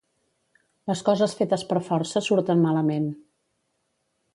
Les coses fetes per força surten malament.